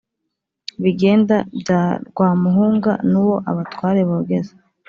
Biganda bya Rwamuhunga n’Uwo abatware bogeza